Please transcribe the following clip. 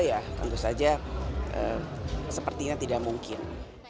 ya tentu saja sepertinya tidak mungkin